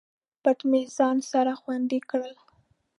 پټ مې ځان سره خوندي کړل